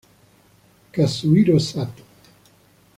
Kazuhiro Sato